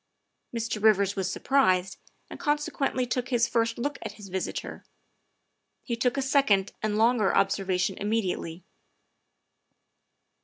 Mr. Eivers was surprised, and consequently took his first look at his visitor; he took a second and longer observation immediately.